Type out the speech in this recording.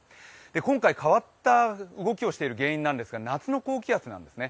今回、変わった動きをしている原因なんですが夏の高気圧なんですね